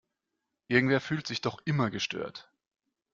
Irgendwer fühlt sich doch immer gestört.